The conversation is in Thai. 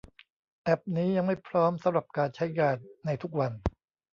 แอพนี้ยังไม่พร้อมสำหรับการใช้งานในทุกวัน